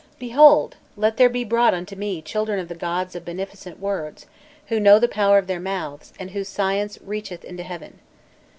Behold! let there be brought unto me children of the gods of beneficent words, who know the power of their mouths, and whose science reacheth unto heaven."